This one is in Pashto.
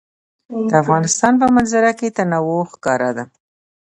د افغانستان په منظره کې تنوع ښکاره ده.